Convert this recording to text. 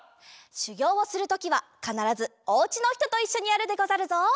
しゅぎょうをするときはかならずおうちのひとといっしょにやるでござるぞ。